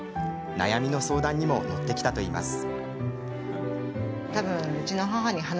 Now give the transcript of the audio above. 悩みの相談にも乗ってきたといいます。